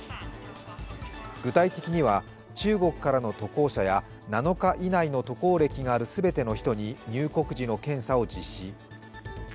具体的には、中国からの渡航者や７日以内の渡航歴のある全ての人に入国時の検査を実施。